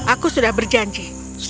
aku sudah berjanji